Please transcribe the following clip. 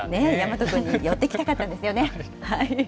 岳翔君に寄ってきたかったんですよね。